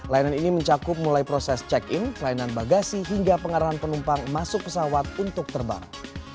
layanan ini mencakup mulai proses check in pelayanan bagasi hingga pengarahan penumpang masuk pesawat untuk terbang